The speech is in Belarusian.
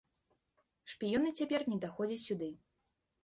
Шпіёны цяпер не даходзяць сюды.